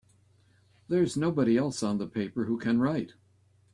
There's nobody else on the paper who can write!